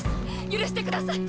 許してください！